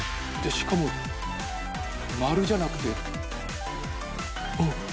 しかも丸じゃなくて。）あっ！